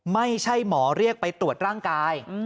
ไม่ใช่หมอเรียกไปตรวจร่างกาย